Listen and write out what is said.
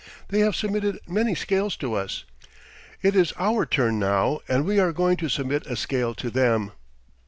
They have submitted many scales to us. It is our turn now, and we are going to submit a scale to them.